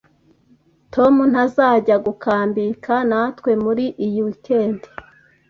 Tom ntazajya gukambika natwe muri iyi weekend